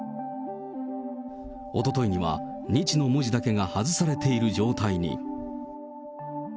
おとといには、日の文字だけが外されている状態に。